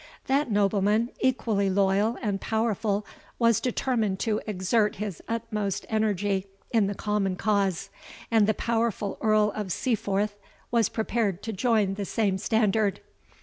That nobleman, equally loyal and powerful was determined to exert his utmost energy in the common cause, and the powerful Earl of Seaforth was prepared to join the same standard.